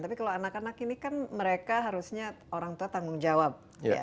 tapi kalau anak anak ini kan mereka harusnya orang tua tanggung jawab